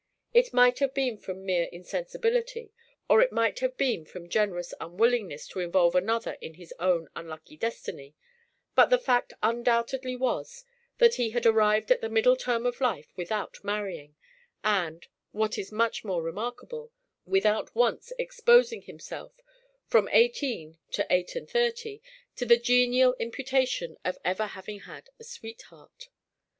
It might have been from mere insensibility, or it might have been from generous unwillingness to involve another in his own unlucky destiny, but the fact undoubtedly was, that he had arrived at the middle term of life without marrying, and, what is much more remarkable, without once exposing himself, from eighteen to eight and thirty, to the genial imputation of ever having had a sweetheart.